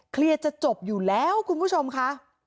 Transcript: จะจบอยู่แล้วคุณผู้ชมค่ะ